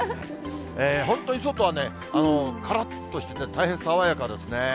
本当に外はね、からっとしてて、大変爽やかですね。